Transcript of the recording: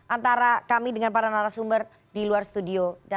antara kami dengan para narasumber di luar studio